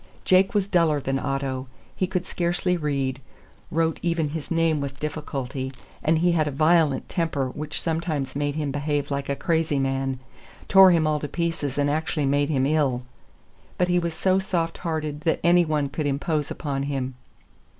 Jake was duller than Otto. He could scarcely read, wrote even his name with difficulty, and he had a violent temper which sometimes made him behave like a crazy man—tore him all to pieces and actually made him ill. But he was so soft hearted that any one could impose upon him.